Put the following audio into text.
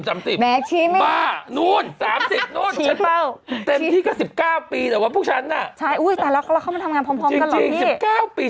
แม่ชี้ไม่ได้